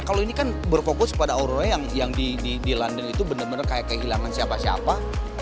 nah kalau ini kan berfokus pada aurora yang di london itu bener bener kayak kehilangan siapa siapa